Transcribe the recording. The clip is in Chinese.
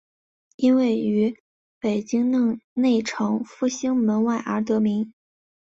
因位于北京内城复兴门外而得名。